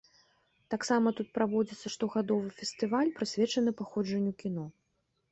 Таксама тут праводзіцца штогадовы фестываль, прысвечаны паходжанню кіно.